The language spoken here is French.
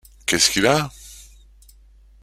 Qu’est-ce qu’il a ?